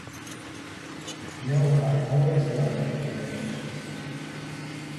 You know I always loved a little flirtation.